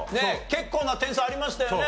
結構な点差ありましたよね